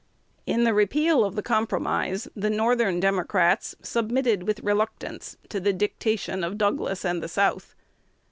In the repeal of the Compromise, the Northern Democrats submitted with reluctance to the dictation of Douglas and the South.